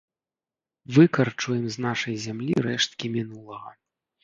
Выкарчуем з нашай зямлі рэшткі мінулага!